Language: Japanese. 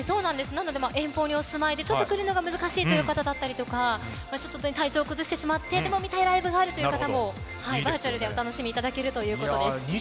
だから、遠方にお住まいでちょっと来るのが難しい方や体調を崩してしまっていてでも見たいライブがあるという方もバーチャルでお楽しみいただけるということです。